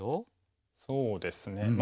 そうですね。